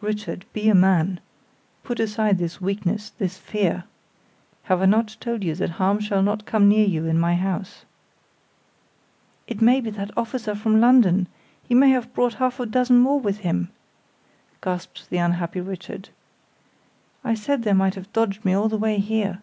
"Richard, be a man, put aside this weakness, this fear. Have I not told you that harm shall not come near you in my house?" "It may be that officer from London; he may have brought half a dozen more with him!" gasped the unhappy Richard. "I said they might have dodged me all the way here."